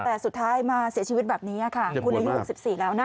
แต่สุดท้ายมาเสียชีวิตแบบนี้ครับ